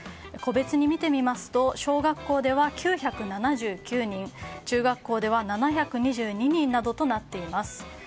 個別に見てみますと小学校では９７９人中学校では７２２人などとなっています。